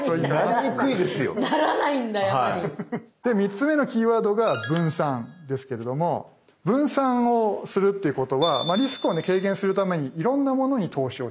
で３つ目のキーワードが分散ですけれども分散をするっていうことはリスクを軽減するためにいろんなものに投資をしていくという考え方です。